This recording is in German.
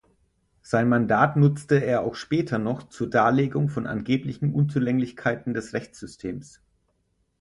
Sein Mandat nutze er auch später noch zur Darlegung von angeblichen Unzulänglichkeiten des Rechtssystems.